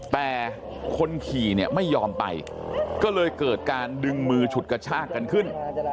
แต่คนขี่เนี่ยไม่ยอมไปก็เลยเกิดการดึงมือฉุดกระชากกันขึ้น